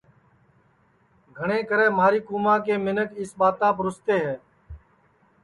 گھٹؔے کرے مہاری کُوماں کے منکھ اِس ٻاتاپ رُستے ہے